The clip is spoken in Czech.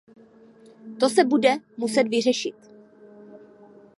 To se bude muset vyřešit.